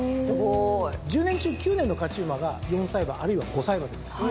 １０年中９年の勝馬が４歳馬あるいは５歳馬です。